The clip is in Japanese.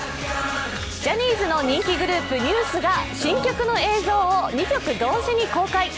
ジャニーズの人気グループ、ＮＥＷＳが新曲の映像を２曲同時に公開。